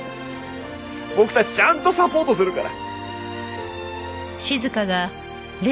僕たちちゃんとサポートするから！